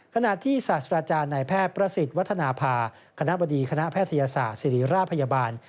ขณะที่ศาสตราจารย์นายแพทย์ประสิทธิ์วัฒนภาคณะบดีคณะแพทยศาสตร์ศิริราชพยาบาล